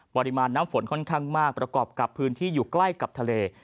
ปริมาณน้ำฝนค่อนข้างมากประกอบกับพื้นที่อยู่ใกล้กับทะเล